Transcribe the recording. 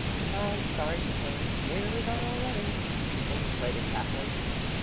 ("I'm sorry to say it's nearly gone already," interpolated Katherine.)